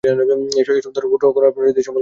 এসব গোত্র ধরে গণ ও একক প্রজাতি সম্পর্কে জানা যাবে।